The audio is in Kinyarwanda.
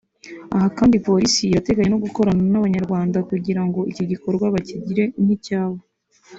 Aha kandi Polisi irateganya no gukorana n’abanyarwanda kugira ngo iki gikorwa bakigire nk’icyabo